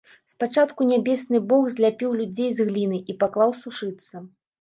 Спачатку нябесны бог зляпіў людзей з гліны і паклаў сушыцца.